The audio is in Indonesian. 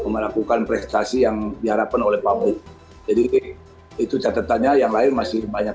melakukan prestasi yang diharapkan oleh publik jadi itu catatannya yang lain masih banyak